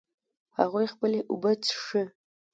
هغوی خپلې اوبه څښي